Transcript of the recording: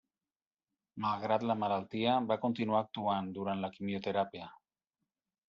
Malgrat la malaltia, va continuar actuant durant la quimioteràpia.